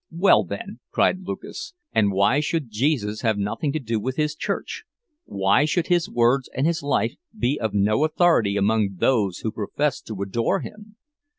"Well, then," cried Lucas, "and why should Jesus have nothing to do with his church—why should his words and his life be of no authority among those who profess to adore him?